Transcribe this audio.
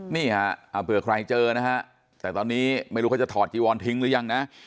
นี่ฮะเผื่อใครเจอนะฮะแต่ตอนนี้ไม่รู้เขาจะถอดจีวอนทิ้งหรือยังนะ